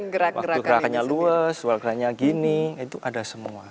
gerak geraknya luas geraknya gini itu ada semua